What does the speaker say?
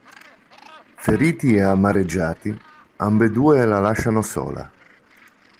Feriti e amareggiati, ambedue la lasciano sola.